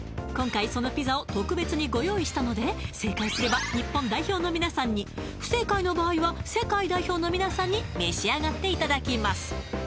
今回そのピザを特別にご用意したので正解すれば日本代表の皆さんに不正解の場合は世界代表の皆さんに召し上がっていただきます